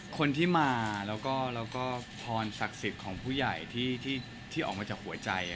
คนที่มาแล้วก็พรศักดิ์สิทธิ์ของผู้ใหญ่ที่ออกมาจากหัวใจ